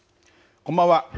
こんばんは。